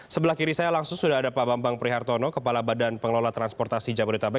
sebelah kiri saya langsung sudah ada pak bambang prihartono kepala badan pengelola transportasi jabodetabek